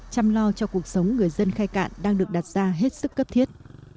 chăm lo cho cuộc sống người dân khe cạn đang được đặt ra hết sức cấp thiết